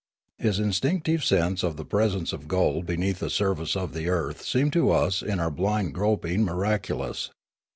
His instinctive sense of the presence of gold beneath the surface of the earth seemed to us in our blind groping miraculous.